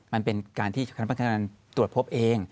มันเป็นการที่คณะพนักงานตรวจพบเอง